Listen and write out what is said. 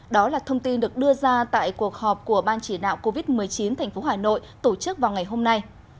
đó là thông tin được đưa ra tại cuộc họp của ban chỉ đạo covid một mươi chín tp hà nội tổ chức vào ngày hôm nay